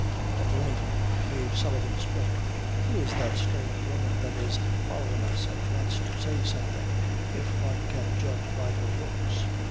At length Mave Sullivan spoke "Who is that strange woman that is followin' us, an' wants to say something, if one can judge by her looks?"